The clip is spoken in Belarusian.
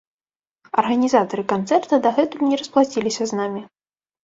Арганізатары канцэрта дагэтуль не расплаціліся з намі.